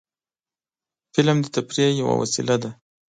فلم د تفریح یوه وسیله ده